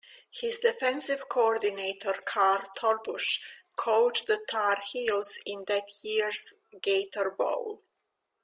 His defensive coordinator, Carl Torbush, coached the Tar Heels in that year's Gator Bowl.